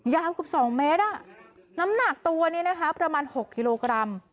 ยาวกับสองเมตรอ่ะน้ำหนักตัวนี้นะคะประมาณหกกิโลกรัม